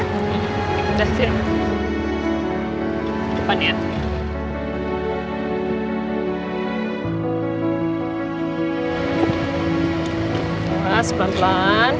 karena rika melewati orang lain